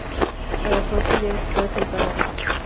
A los once, ya era experta en pájaros.